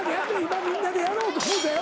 みんなでやろうと思うたよ。